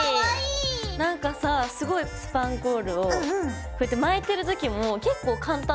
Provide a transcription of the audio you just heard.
何かさすごいスパンコールをこうやって巻いてる時も結構簡単で楽しかったんだよね。